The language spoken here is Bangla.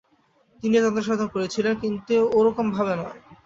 তিনিও তন্ত্রসাধন করেছিলেন, কিন্তু ও-রকম ভাবে নয়।